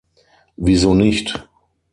Wieso nicht?